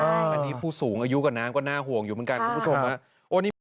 อันนี้ผู้สูงอายุกับน้ำก็น่าห่วงอยู่เหมือนกันคุณผู้ชม